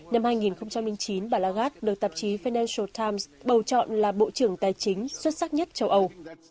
năm hai nghìn chín bà lagard được tạp chí fenel times bầu chọn là bộ trưởng tài chính xuất sắc nhất châu âu